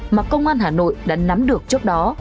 mà công an hà nội đã nắm được trước đó